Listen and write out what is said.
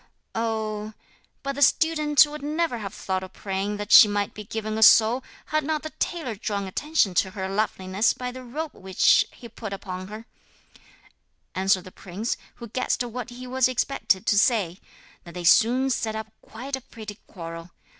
'Oh, but the student would never have thought of praying that she might be given a soul had not the tailor drawn attention to her loveliness by the robe which he put upon her,' answered the prince, who guessed what he was expected to say: and they soon set up quite a pretty quarrel.